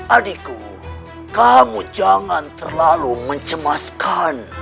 adikku kamu jangan terlalu mencemaskan